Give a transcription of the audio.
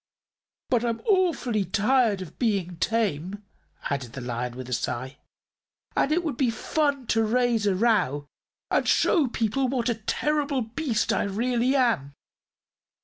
But I'm awfully tired of being tame," added the Lion, with a sigh, "and it would be fun to raise a row and show people what a terrible beast I really am."